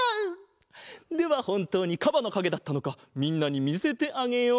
ではほんとうにかばのかげだったのかみんなにみせてあげよう！